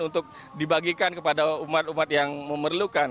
untuk dibagikan kepada umat umat yang memerlukan